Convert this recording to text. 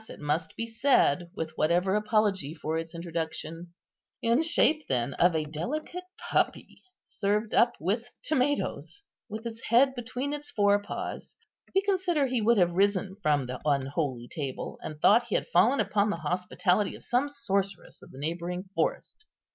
it must be said, with whatever apology for its introduction)—in shape, then, of a delicate puppy, served up with tomatoes, with its head between its fore paws, we consider he would have risen from the unholy table, and thought he had fallen upon the hospitality of some sorceress of the neighbouring forest.